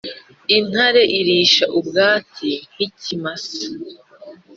intare irishe ubwatsi nk’ikimasa.